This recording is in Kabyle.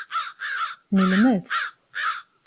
Nelmed.